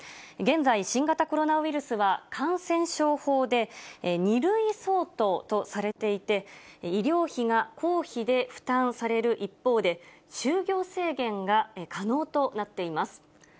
現在、新型コロナウイルスは感染症法で、２類相当とされていて、医療費が公費で負担される一方で、就業制限が可能となっています。